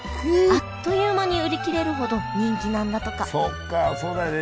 あっという間に売り切れるほど人気なんだとかそっかそうだよね